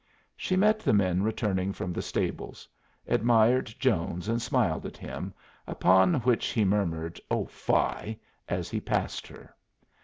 She met the men returning from the stables; admired Jones and smiled at him, upon which he murmured "Oh fie!" as he passed her.